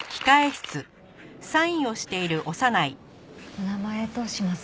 お名前どうします？